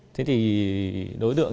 thế thì đối tượng